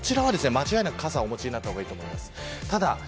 こちらは間違いなく傘をお持ちになった方がいいと思います。